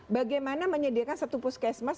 bagaimana menyediakan satu puskesmas